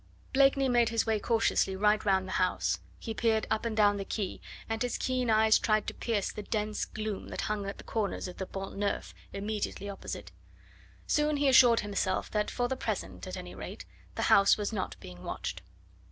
Blakeney made his way cautiously right round the house; he peered up and down the quay, and his keen eyes tried to pierce the dense gloom that hung at the corners of the Pont Neuf immediately opposite. Soon he assured himself that for the present, at any rate, the house was not being watched.